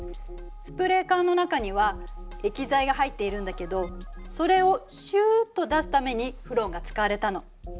スプレー缶の中には液剤が入っているんだけどそれをシューっと出すためにフロンが使われたの。